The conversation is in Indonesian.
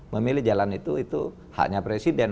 memilih jalan itu itu haknya presiden